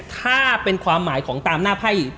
ถ้าเป็นความหมายของตามหน้าไพ่